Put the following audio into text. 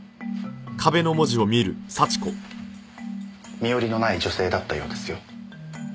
身寄りのない女性だったようですよ。